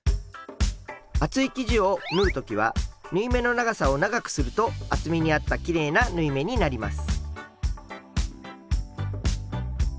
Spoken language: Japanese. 厚い生地を縫う時は縫い目の長さを長くすると厚みに合ったきれいな縫い目になります。